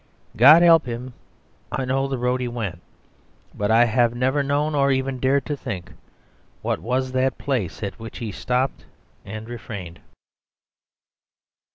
God help him, I know the road he went; but I have never known, or even dared to think, what was that place at which he stopped and refrained.